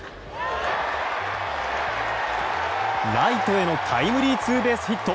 ライトへのタイムリーツーベースヒット。